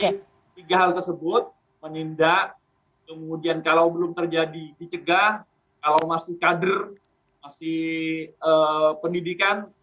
jadi tiga hal tersebut menindak kemudian kalau belum terjadi dicegah kalau masih kader masih pendidikan